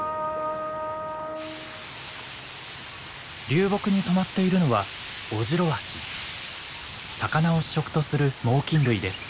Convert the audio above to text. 流木に止まっているのは魚を主食とする猛きん類です。